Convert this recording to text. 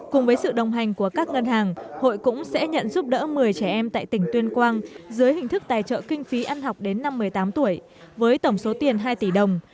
cùng với sự đồng hành của các ngân hàng hội cũng sẽ nhận giúp đỡ một mươi trẻ em tại tỉnh tuyên quang dưới hình thức tài trợ kinh phí ăn học đến năm một mươi tám tuổi với tổng số tiền hai tỷ đồng